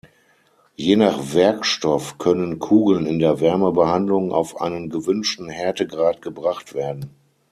Je nach Werkstoff können Kugeln in der Wärmebehandlung auf einen gewünschten Härtegrad gebracht werden.